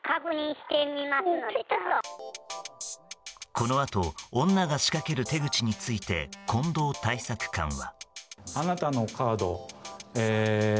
このあと女が仕掛ける手口について、近藤対策官は。